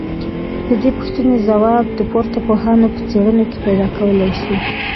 ددې پوښتني ځواب د پورته پوهانو په څېړنو کي پيدا کولای سو